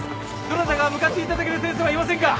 どなたか向かっていただける先生はいませんか？